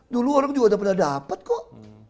dulu orang juga udah pernah dapat kok